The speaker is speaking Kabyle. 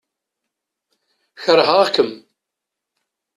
Keṛheɣ-kem.